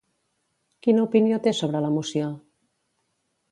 Quina opinió té sobre la moció?